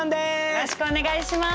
よろしくお願いします！